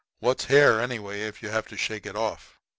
What's hair, anyway, if you have to shake it off?"